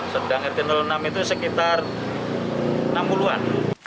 sedang rt enam itu sekitar enam puluh an